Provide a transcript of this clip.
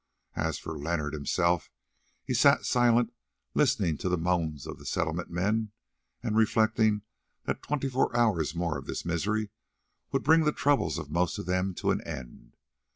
As for Leonard himself, he sat silent listening to the moans of the Settlement men, and reflecting that twenty four hours more of this misery would bring the troubles of most of them to an end.